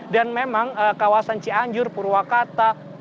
dan memang kawasan cianjur purwakarta